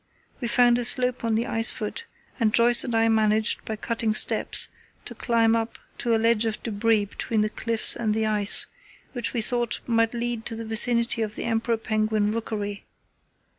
We found a slope on the ice foot, and Joyce and I managed, by cutting steps, to climb up to a ledge of debris between the cliffs and the ice, which we thought might lead to the vicinity of the emperor penguin rookery.